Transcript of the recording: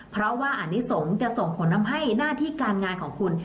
เพราะว่าอนิสงฆ์จะส่งผลทำให้หน้าที่การงานของคุณ